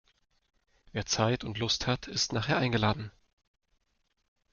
Wer Zeit und Lust hat, ist nachher eingeladen.